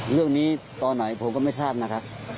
เรื่องนี้ตอนไหนผมก็ไม่ทราบนะครับ